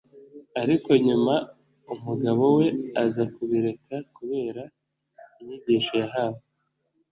ariko nyuma umugabo we aza kubireka kubera inyigisho yahawe